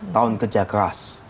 tahun kerja keras